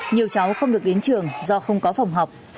nhiều cháu không được đến trường do không có phòng học